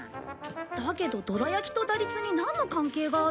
だけどどら焼きと打率になんの関係があるの？